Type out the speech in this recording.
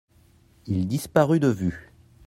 il disparut de vue.